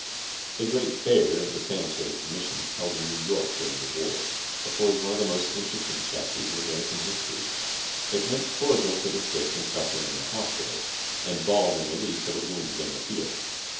The great fair of the Sanitary Commission, held in New York during the war, affords one of the most interesting chapters in American history. It meant cordial for the sick and suffering in the hospitals, and balm and relief for the wounded in the field.